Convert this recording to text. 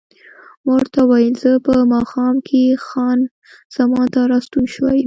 ما ورته وویل: زه په ماښام کې خان زمان ته راستون شوی یم.